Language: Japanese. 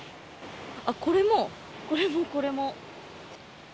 これも、これも、これも。